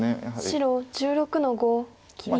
白１６の五切り。